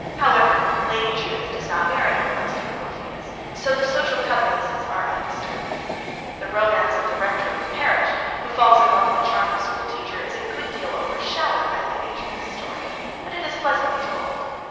However, Lady Judith does not marry her rustic Orpheus, so the social convenances are undisturbed. The romance of the Rector of the Parish, who falls in love with a charming school teacher, is a good deal overshadowed by Lady Judith's story, but it is pleasantly told.